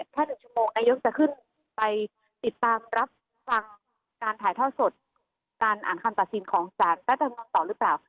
แค่๑ชั่วโมงนายกจะขึ้นไปติดตามรับฟังการถ่ายทอดสดการอ่านคำตัดสินของสารรัฐธรรมนุนต่อหรือเปล่า